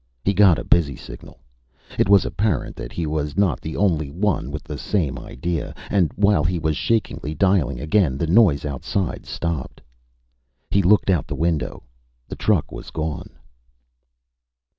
He got a busy signal it was apparent that he was not the only one with the same idea and while he was shakingly dialing again, the noise outside stopped. He looked out the window. The truck was gone.